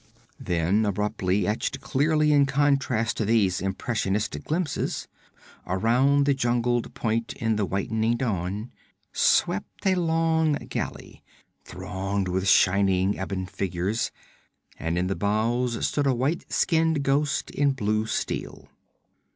Then abruptly, etched clearly in contrast to these impressionistic glimpses, around the jungled point in the whitening dawn swept a long galley, thronged with shining ebon figures, and in the bows stood a white skinned ghost in blue steel.